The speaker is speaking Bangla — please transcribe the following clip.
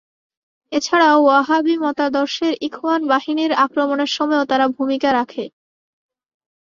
এছাড়াও ওয়াহাবি মতাদর্শের ইখওয়ান বাহিনীর আক্রমণের সময়ও তারা ভূমিকা রাখে।